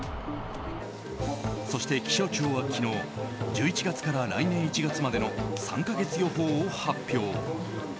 そして、気象庁は昨日１１月から来年１月までの３か月予報を発表。